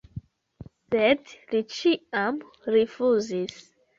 Sed li ĉiam rifuzis.